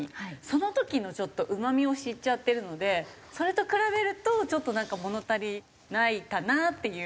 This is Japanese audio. その時のちょっとうまみを知っちゃってるのでそれと比べるとちょっとなんか物足りないかなっていう。